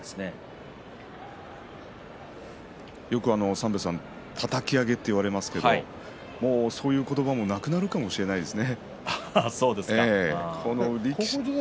よくたたき上げといわれますけれどもうそういう言葉もなくなるかもしれないですね。